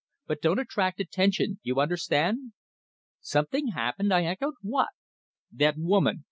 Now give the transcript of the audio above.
"But don't attract attention you understand!" "Something happened!" I echoed. "What?" "That woman.